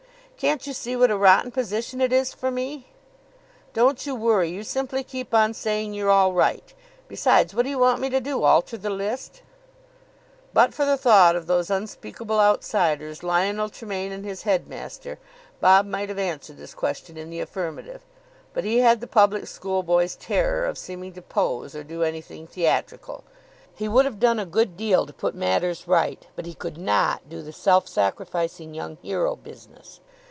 Can't you see what a rotten position it is for me?" "Don't you worry. You simply keep on saying you're all right. Besides, what do you want me to do? Alter the list?" But for the thought of those unspeakable outsiders, Lionel Tremayne and his headmaster, Bob might have answered this question in the affirmative; but he had the public school boy's terror of seeming to pose or do anything theatrical. He would have done a good deal to put matters right, but he could not do the self sacrificing young hero business.